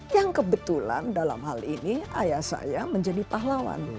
yang kebetulan dalam hal ini ayah saya menjadi pahlawan